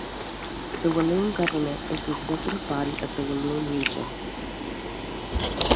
The Walloon Government is the executive body of the Walloon Region.